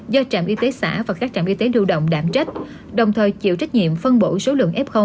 do trạm y tế xã và các trạm y tế lưu động đảm trách đồng thời chịu trách nhiệm phân bổ số lượng f